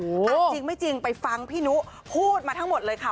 จริงไม่จริงไปฟังพี่นุพูดมาทั้งหมดเลยค่ะ